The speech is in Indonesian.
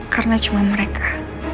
karena cuma mereka